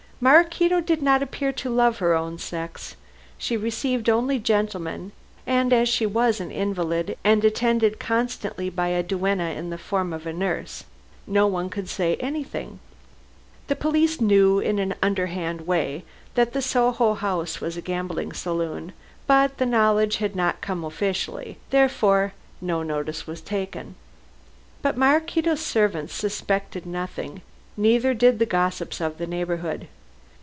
Maraquito did not appear to love her own sex. She received only gentlemen, and as she was an invalid and attended constantly by a duenna in the form of a nurse, no one could say anything. The police knew in an underhand way that the Soho house was a gambling saloon, but the knowledge had not come officially, therefore no notice was taken. But Maraquito's servants suspected nothing, neither did the gossips of the neighborhood.